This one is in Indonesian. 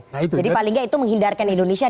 nah itu jadi paling gak itu menghindarkan indonesia